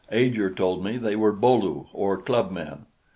Ajor told me they were Bo lu, or clubmen.